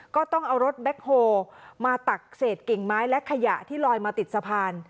ก็ต้องเอารถแบ็คโฮมาตักเศษกิ่งไม้และขยะที่ลอยมาติดสะพาน